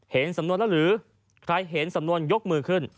เห็นสำนวนแล้วหรือใครเห็นสำนวนยกมือขึ้น